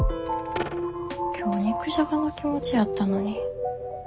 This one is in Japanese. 今日肉じゃがの気持ちやったのに。